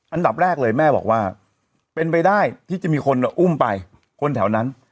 อันดับแรกเลยแม่บอกว่าเป็นไปได้ที่จะมีคนอุ้มไปคนแถวนั้น